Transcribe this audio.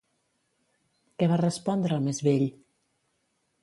Què va respondre el més vell?